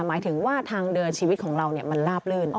หมายถึงว่าทางเดินชีวิตของเรามันลาบลื่น